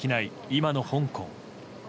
今の香港。